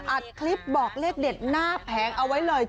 อัดคลิปบอกเลขเด็ดหน้าแผงเอาไว้เลย